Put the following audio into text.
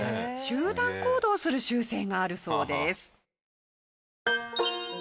集団行動する習性があるそうです。